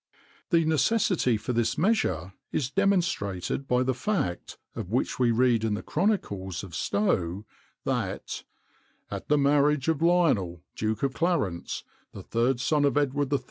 [XXIX 97] The necessity for this measure is demonstrated by the fact, of which we read in the chronicles of Stow,[XXIX 98] that, "at the marriage of Lionel, Duke of Clarence, the third son of Edward III.